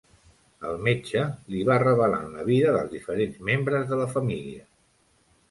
El metge li va revelant la vida dels diferents membres de la família.